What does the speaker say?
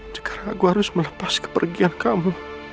sekarang aku harus melepas kepergian kamu